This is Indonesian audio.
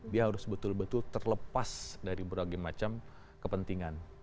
dia harus betul betul terlepas dari berbagai macam kepentingan